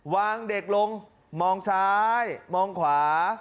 วางเด็กลงมองซ้ายมองขวา